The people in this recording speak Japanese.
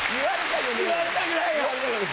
言われたくないよ！